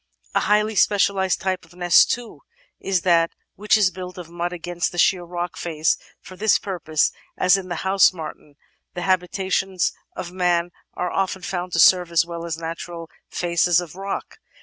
A highly specialised type of nest, too, is that which is built of mud against the sheer rock face, and for this purpose — ^as in the House Martin — ^the habitations of man are often found to serve as well as natural faces of rock.